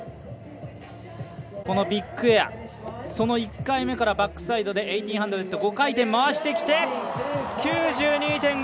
このビッグエア、その１回目からバックサイドで１８００５回転、回してきて９２．５０！